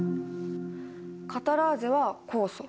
カタラーゼは酵素。